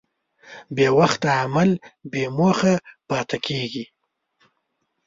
بېوخت عمل بېموخه پاتې کېږي.